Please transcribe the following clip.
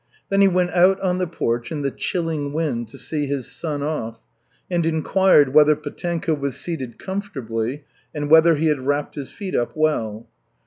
Then he went out on the porch in the chilling wind to see his son off, and inquired whether Petenka was seated comfortably and whether he had wrapped his feet up well.